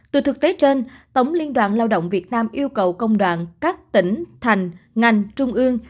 từ thực tế trên tổng liên đoàn lao động việt nam yêu cầu công đoàn các tỉnh thành ngành trung ương